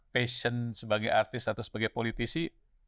passion sebagai artis atau sebagai politisi